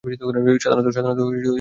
সাধারণত, দুটো ঘটনা ঘটে।